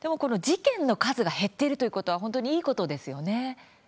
事件の数が減っているということは本当に、いいことですよね。